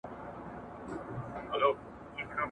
که وخت وي، زدکړه کوم؟!